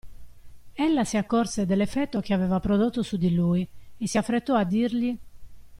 Ella si accorse dell'effetto che aveva prodotto su di lui e si affrettò a dirgli.